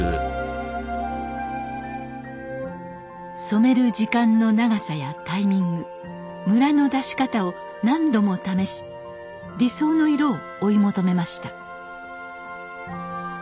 染める時間の長さやタイミングムラの出し方を何度も試し理想の色を追い求めました。